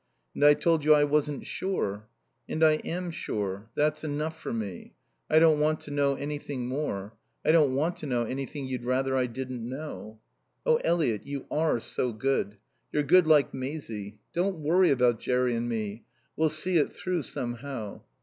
"And I told you I wasn't sure." "And I am sure. That's enough for me. I don't want to know anything more. I don't want to know anything you'd rather I didn't know." "Oh, Eliot, you are so good. You're good like Maisie. Don't worry about Jerry and me. We'll see it through somehow."